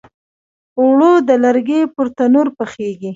اوړه د لرګي پر تنور پخیږي